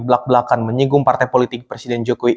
belak belakan menyinggung partai politik presiden jokowi